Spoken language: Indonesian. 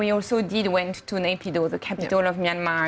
dan kami juga pergi ke neipido kapital myanmar